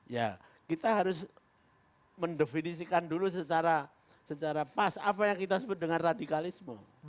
ya kita harus mendefinisikan dulu secara pas apa yang kita sebut dengan radikalisme